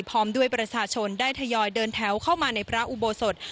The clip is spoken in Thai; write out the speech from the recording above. พร้อมด้วยประชาชนได้ทยอยเดินแถวเข้ามาในพระอุโบสถ